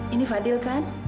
ini fadil kan